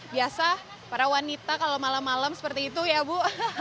biasa para wanita kalau malam malam seperti itu ya bu